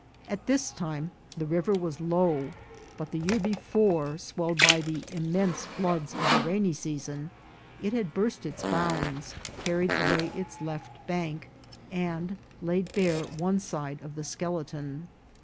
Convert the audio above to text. At this time the river was low, but the year BONES OF A MASTODON. before, swelled by the immense floods of the rainy sea son, it had burst its bounds, carried away its left bank, and laid bare one side of the skeleton.